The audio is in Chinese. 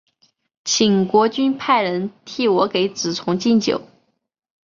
请国君派人替我给子重进酒。